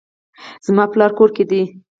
زما پلار کور کې دی